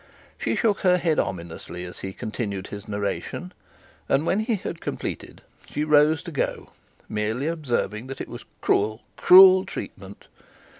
She shook her head continuously, as he continued his narration; and when he had completed she rose to go, merely observing that it was cruel, cruel treatment.